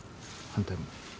反対も。